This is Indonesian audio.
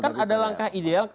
kan ada langkah ideal